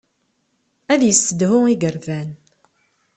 Ad yessedhu igerdan.